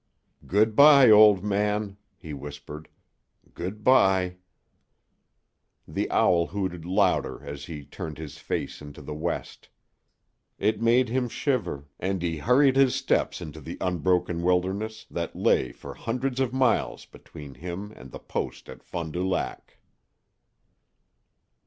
"Good by, old man," he whispered. Goodby " The owl hooted louder as he turned his face into the west. It made him shiver, and he hurried his steps into the unbroken wilderness that lay for hundreds of miles between him and the post at Fond du Lac.